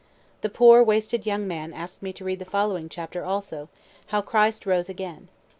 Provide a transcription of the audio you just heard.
The poor, wasted young man ask'd me to read the following chapter also, how Christ rose again.